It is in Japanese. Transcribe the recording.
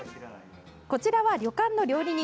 こちらは旅館の料理人。